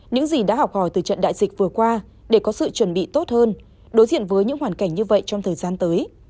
những gì đã học hỏi từ trận đại dịch vừa qua để có sự chuẩn bị tốt hơn đối diện với những hoàn cảnh như vậy trong thời gian tới